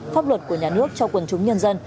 pháp luật của nhà nước cho quần chúng nhân dân